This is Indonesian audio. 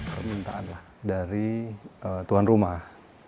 permintaan lah dari tuan rumah